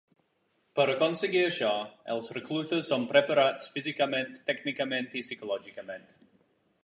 Per aconseguir això, els reclutes són preparats físicament, tècnicament i psicològicament.